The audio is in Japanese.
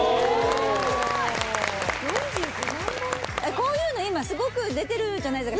こういうの今すごく出てるじゃないですか